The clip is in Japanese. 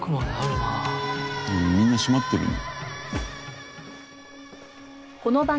でもみんな閉まってるね。